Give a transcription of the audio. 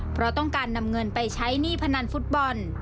เพราะต้องการนำเงินไปใช้หนี้พนันฟุตบอล